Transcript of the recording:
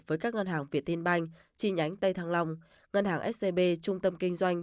với các ngân hàng việt tiên banh chi nhánh tây thăng long ngân hàng scb trung tâm kinh doanh